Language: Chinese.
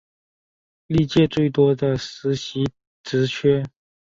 历届最多的实习职缺